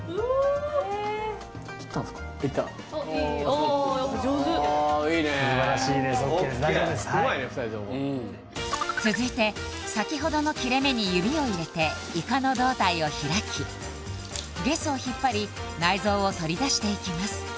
大丈夫ですはい続いて先ほどの切れ目に指を入れてイカの胴体を開きゲソを引っ張り内臓を取り出していきます